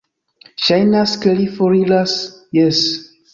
Ŝajnas, ke li foriras... jes.